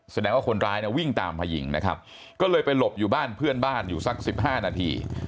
แสดงว่าคนร้ายเนี่ยวิ่งตามมายิงนะครับก็เลยไปหลบอยู่บ้านเพื่อนบ้านอยู่สักสิบห้านาที